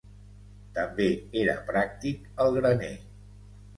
També era pràctic el graner.